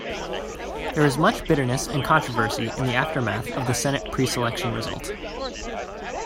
There was much bitterness and controversy in the aftermath of the Senate preselection result.